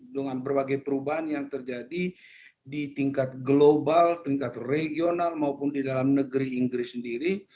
dengan berbagai perubahan yang terjadi di tingkat global tingkat regional maupun di dalam negeri inggris sendiri